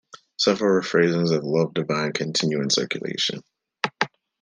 Several rephrasings of "Love Divine" continue in circulation.